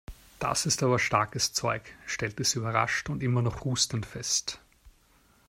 Das ist aber starkes Zeug!, stellte sie überrascht und immer noch hustend fest.